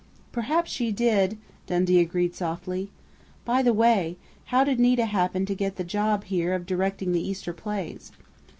"Perhaps she did," Dundee agreed softly. "By the way, how did Nita happen to get the job here of directing the Easter plays?"